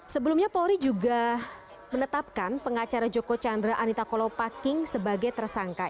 sebelumnya polri juga menetapkan pengacara joko chandra anita kolopaking sebagai tersangka